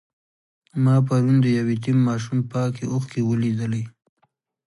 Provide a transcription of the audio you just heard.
ما پرون د یو یتیم ماشوم پاکې اوښکې ولیدلې.